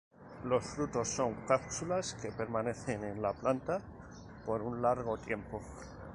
Los frutos son cápsulas que permanecen en la planta por un largo tiempo.